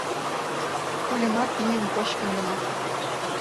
Кульымат мӱйым кочкын гына!